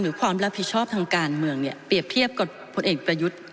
ความรับผิดชอบทางการเมืองเนี่ยเปรียบเทียบกับผลเอกประยุทธ์